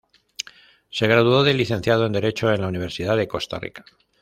Se graduó de Licenciado en Derecho en la Universidad de Costa Rica.